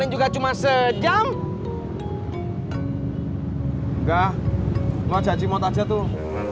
isi juga cuma sejam enggak mau jajimot aja tuh